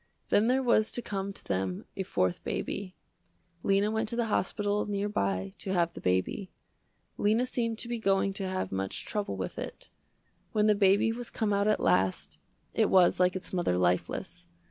Then there was to come to them, a fourth baby. Lena went to the hospital near by to have the baby. Lena seemed to be going to have much trouble with it. When the baby was come out at last, it was like its mother lifeless.